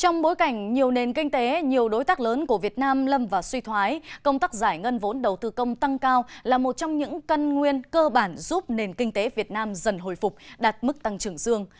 trong bối cảnh nhiều nền kinh tế nhiều đối tác lớn của việt nam lâm và suy thoái công tác giải ngân vốn đầu tư công tăng cao là một trong những cân nguyên cơ bản giúp nền kinh tế việt nam dần hồi phục đạt mức tăng trưởng dương